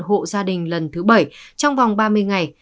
hộ gia đình lần thứ bảy trong vòng ba mươi ngày